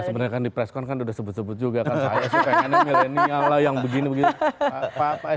sebenarnya kan di preskon kan udah sebut sebut juga kan saya sih pengennya milenial lah yang begini begini